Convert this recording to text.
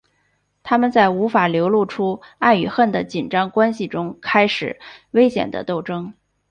他们在无法流露出爱与恨的紧张关系中开始危险的争斗。